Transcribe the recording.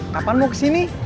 kapan mau kesini